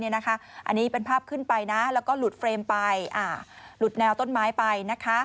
อันนี้เป็นภาพขึ้นไปนะแล้วก็หลุดเฟรมไปหลุดแนวต้นไม้ไป